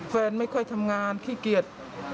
แฟนไม่ค่อยทำงานขี้เกียจ